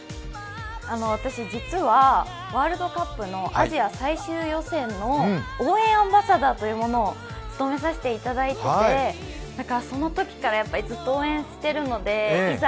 私実はワールドカップのアジア最終予選の応援アンバサダーというものを務めさせていただいていてそのときからずっと応援しているのでいざ